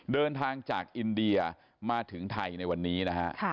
เดินทางจากอินเดียมาถึงไทยในวันนี้นะฮะ